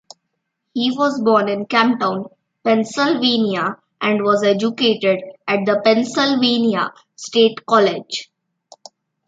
He was born in Camptown, Pennsylvania, and was educated at the Pennsylvania State College.